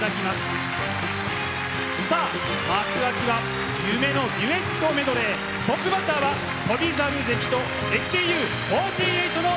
さあ幕開きは夢のデュエットメドレートップバッターは翔猿関とＳＴＵ４８の皆さんです。